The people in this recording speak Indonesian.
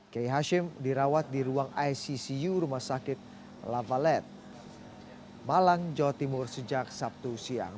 kiai hashim dirawat di ruang icu rumah sakit lavalet malang jawa timur sejak sabtu siang